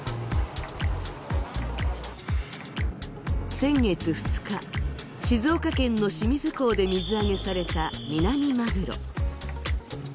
先月２日、静岡県の清水港で水揚げされたミナミマグロ。